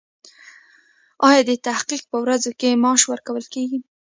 ایا د تحقیق په ورځو کې معاش ورکول کیږي؟